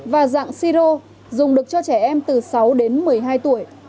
và dạng siro dùng được cho trẻ em từ sáu đến một mươi hai tuổi